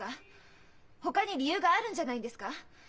ほかに理由があるんじゃないんですか？